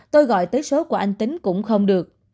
tôi gọi tới số của anh tính cũng không được